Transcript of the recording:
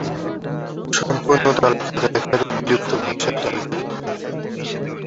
সম্পূর্ণ তালিকা দেখার বিলুপ্ত ভাষার তালিকা দেখুন।